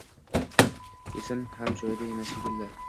Esim ham joyida emas, shekilli.